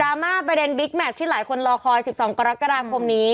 มาประเด็นบิ๊กแมชที่หลายคนรอคอย๑๒กรกฎาคมนี้